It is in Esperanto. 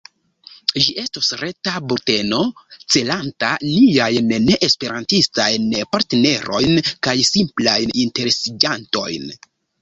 Ĝi estos reta bulteno celanta niajn neesperantistajn partnerojn kaj simplajn interesiĝantojn.